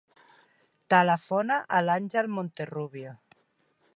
Telefona a l'Àngel Monterrubio.